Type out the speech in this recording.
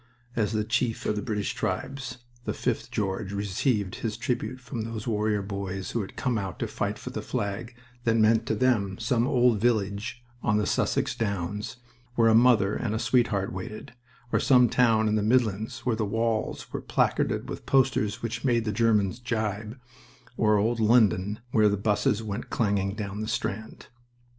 As the chief of the British tribes, the fifth George received his tribute from those warrior boys who had come out to fight for the flag that meant to them some old village on the Sussex Downs, where a mother and a sweetheart waited, or some town in the Midlands where the walls were placarded with posters which made the Germans gibe, or old London, where the 'buses went clanging down the Strand.